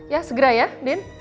ya segera ya din